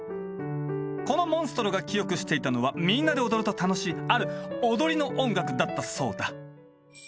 このモンストロが記憶していたのはみんなで踊ると楽しいある「踊り」の音楽だったそうだ